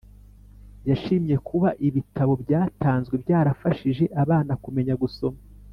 Yashimye kuba ibitabo byatanzwe byarafashije abana kumenya gusoma